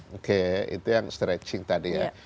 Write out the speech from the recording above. oke itu yang stretching tadi ya